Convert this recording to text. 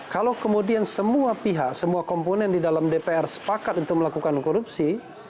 kalau kemudian semua pihak semua komponen di dalam dpr sepakat untuk melakukan korupsi